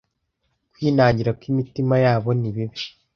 kwinangira kw imitima yabo ni bibi